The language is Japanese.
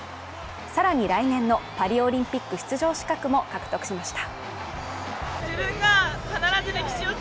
更に来年のパリオリンピック出場資格も獲得しました。